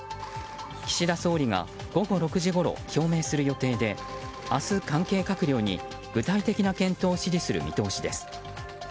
岸田総理が午後６時ごろ表明する予定で明日、関係閣僚に具体的な検討を指示する見通しです。